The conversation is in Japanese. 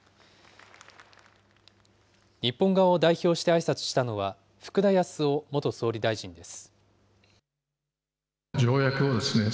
日本側を代表してあいさつしたのは、福田康夫元総理大臣です。